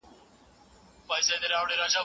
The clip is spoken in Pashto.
په فتاوی هنديه يا عالمګيري کي راغلي دي.